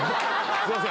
すんません！